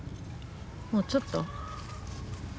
もうちょっと。